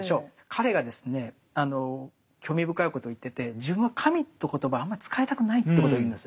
彼がですね興味深いことを言ってて自分は神という言葉をあんまり使いたくないということを言うんです。